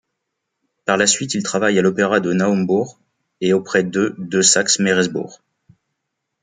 Par la suite, il travaille à l'Opéra de Naumbourg et auprès de de Saxe-Mersebourg.